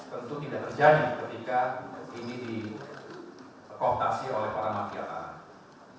tentu tidak terjadi ketika ini dikomptasi oleh para mafiatan